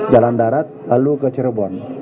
jalan darat lalu ke cirebon